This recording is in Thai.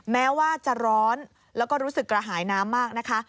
แม้ว่าจะร้อนแล้วก็รู้สึกกระหายน้ำมากนะคะ